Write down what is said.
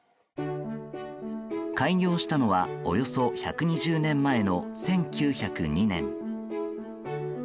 開業したのはおよそ１２０年前の１９０２年。